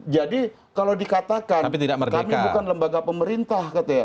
jadi kalau dikatakan kami bukan lembaga pemerintah